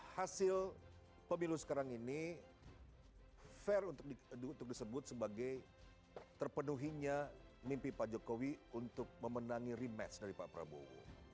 hasil pemilu sekarang ini fair untuk disebut sebagai terpenuhinya mimpi pak jokowi untuk memenangi rematch dari pak prabowo